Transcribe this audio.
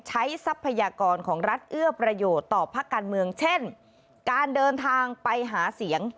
ทรัพยากรของรัฐเอื้อประโยชน์ต่อพักการเมืองเช่นการเดินทางไปหาเสียง